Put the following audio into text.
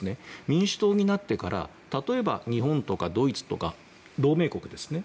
民主党になってからは例えば、日本とかドイツとか同盟国ですね。